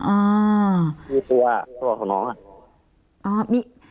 อ่ามีตัวตัวของน้องอ่ะอ่ามี